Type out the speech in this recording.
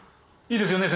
いいですよね？